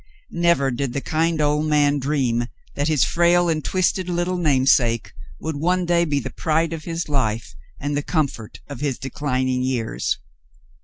Never did the kind old man dream that his frail and twisted little namesake would one day be the pride of his life and the comfort of his declining years.